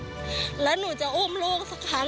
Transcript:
ควิทยาลัยเชียร์สวัสดีครับ